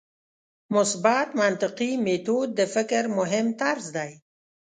مثبت منطقي میتود د فکر مهم طرز دی.